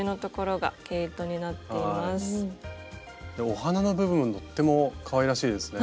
お花の部分とってもかわいらしいですね。